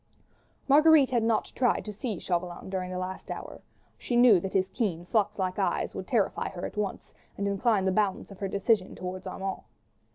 Marguerite had not even tried to see Chauvelin during this last hour; she knew that his keen, fox like eyes would terrify her at once, and incline the balance of her decision towards Armand.